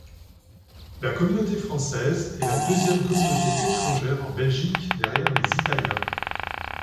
La communauté française est la deuxième communauté étrangère en Belgique derrière les Italiens.